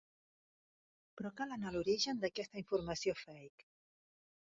Però cal anar a l’origen d’aquesta informació ‘fake’.